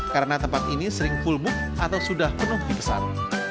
karena tempat ini sering full book atau sudah penuh pingsan